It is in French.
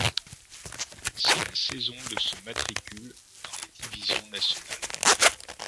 C'est la saison de ce matricule dans les divisions nationales.